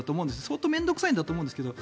相当面倒臭いんだと思うんですけど。